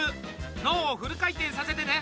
脳をフル回転させてね。